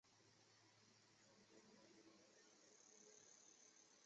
他所有的着作今日都已散失。